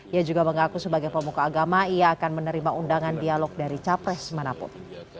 ia juga mengaku sebagai pemuka agama ia akan menerima undangan dialog dari capres manapun